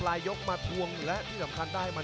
แล้วบวกด้วยสองบวกด้วยสอง